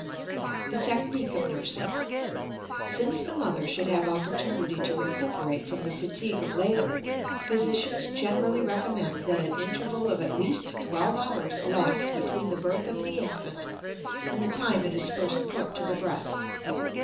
THE TECHNIQUE OF NURSING. Since the mother should have opportunity to recuperate from the fatigue of labor, physicians generally recommend that an interval of at least twelve hours elapse between the birth of the infant and the time it is first put to the breast.